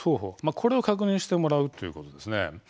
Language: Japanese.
これを確認してもらうということです。